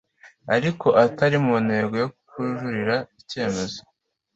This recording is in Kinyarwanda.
ariko atari mu ntego yo kujuririra icyemezo